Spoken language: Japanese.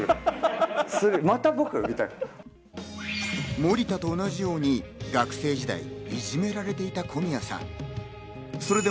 森田と同じように学生時代、いじめられていた小宮さん。